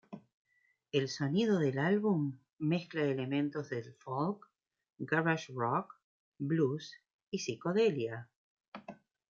El sonido del álbum mezcla elementos del folk, garage rock, blues y psicodelia.